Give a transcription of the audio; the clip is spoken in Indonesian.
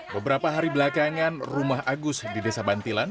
beberapa hari belakangan rumah agus di desa bantilan